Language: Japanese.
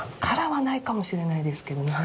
「から」はないかもしれないですけど。